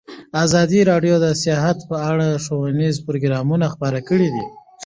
ازادي راډیو د سیاست په اړه ښوونیز پروګرامونه خپاره کړي.